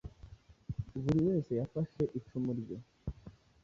buri wese yafashe icumu rye,